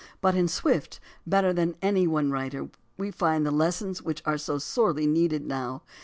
But in Swift better than in any one writer can we find the lessons which are so sorely needed now.